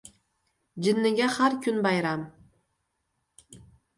• Jinniga har kun bayram.